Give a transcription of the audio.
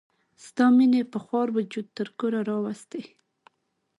ستا مینې په خوار وجود تر کوره راوستي.